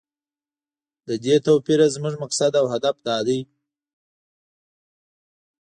له دې توپیره زموږ مقصد او هدف دا دی.